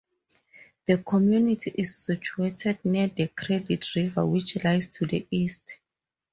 The community is situated near the Credit River which lies to the east.